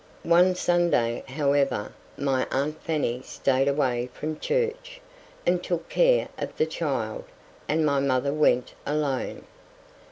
One Sunday, however, my aunt Fanny stayed away from church, and took care of the child, and my mother went alone.